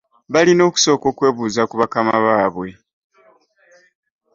Balina okusooka okwebuuza ku bakama baabwe.